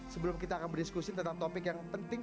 sebelum kita akan berdiskusi tentang topik yang penting